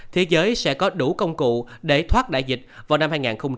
thế giới sẽ có đủ công cụ để thoát đại dịch vào năm hai nghìn hai mươi